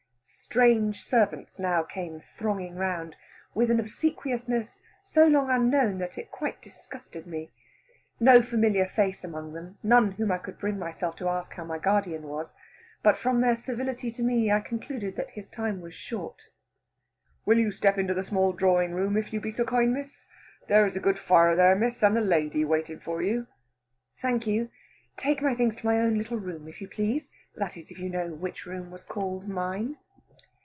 Strange servants now came thronging round, with an obsequiousness so long unknown that it quite disgusted me. No familiar face among them, none whom I could bring myself to ask how my guardian was. But from their servility to me I concluded that his time was short. "Will you step into the small drawing room, if you be so kind, Miss? There is a good fire there, Miss, and a lady waiting for you." "Thank you. Take my things to my own little room, if you please; that is, if you know which room was called mine."